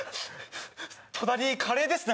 隣カレーですね